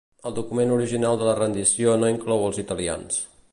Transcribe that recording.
El document original de la rendició no inclou els italians.